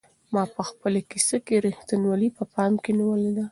ما په خپله کيسه کې رښتینولي په پام کې نیولې ده.